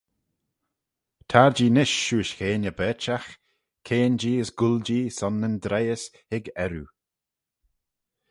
Tar-jee nish shiuish gheiney berchagh, keayn-jee as gull-jee son nyn dreihys hig erriu.